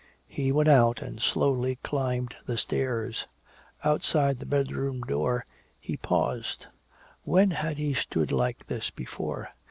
He went out and slowly climbed the stairs. Outside the bedroom door he paused. When had he stood like this before?